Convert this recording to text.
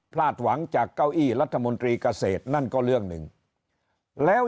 พลาดหวังจากเก้าอี้รัฐมนตรีเกษตรนั่นก็เรื่องหนึ่งแล้ว